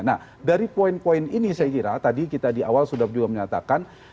nah dari poin poin ini saya kira tadi kita di awal sudah juga menyatakan